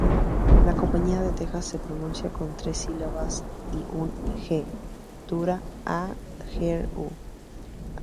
La compañía de Texas se pronuncia con tres sílabas y una "g" dura: A-gear-uh.